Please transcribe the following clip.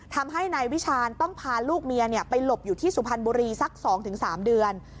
ทำให้นายวิชาณต้องพาลูกเมียไปหลบอยู่ที่สุพรรณบุรีสัก๒๓เดือน